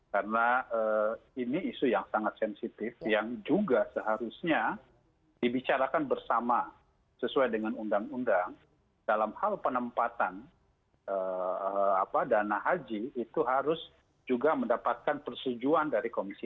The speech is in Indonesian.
karena ini isu yang sangat sensitif yang juga seharusnya dibicarakan bersama sesuai dengan undang undang dalam hal penempatan dana haji itu harus juga mendapatkan persetujuan dari komisi tiga